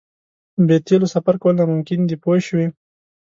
بې تیلو سفر کول ناممکن دي پوه شوې!.